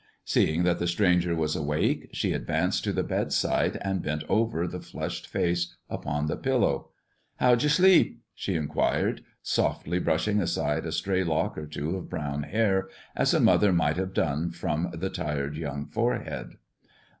Seeing that the stranger was awake, she advanced to the bedside and bent over the flushed face upon the pillow. "How'd ye sleep?" she inquired, softly brushing aside a stray lock or two of brown hair, as a mother might have done, from the tired young forehead.